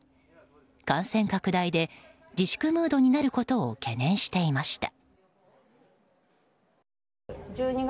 感染拡大で自粛ムードになることを懸念していました。